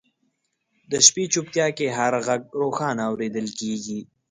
د شپې چوپتیا کې هر ږغ روښانه اورېدل کېږي.